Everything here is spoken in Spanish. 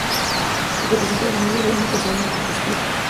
Representa a la familia rogando por su alma ante Jesucristo.